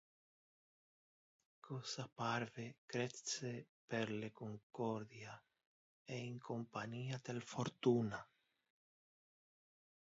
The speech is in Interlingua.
Cosa parve cresce per le concordia e in compania del fortuna.